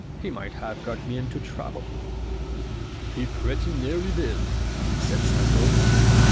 He might have got me into trouble." "He pretty nearly did," said Samuel.